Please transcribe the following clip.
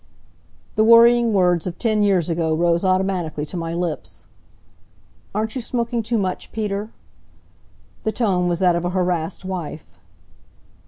The worrying words of ten years ago rose automatically to my lips. "Aren't you smoking too much, Peter?" The tone was that of a harassed wife.